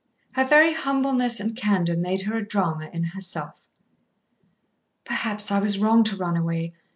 Her very humbleness and candour made her a drama in herself. "Perhaps I was wrong to run away.